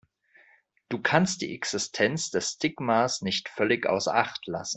Du kannst die Existenz des Stigmas nicht völlig außer Acht lassen.